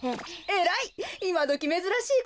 えらい！